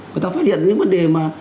người ta phát hiện những vấn đề mà